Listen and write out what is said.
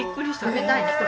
食べたいね。